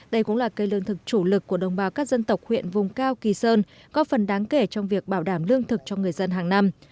đây cũng là cây lương thực chủ lực của đồng bào các dân tộc huyện vùng cao kỳ sơn có phần đáng kể trong việc bảo đảm lương thực cho người dân hàng năm